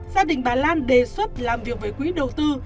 gia đình bà lan đề xuất làm việc với quỹ đầu tư